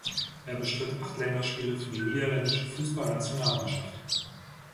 Er bestritt acht Länderspiele für die niederländische Fußballnationalmannschaft.